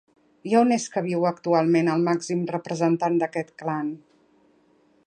I a on és que viu actualment el màxim representant d'aquest clan?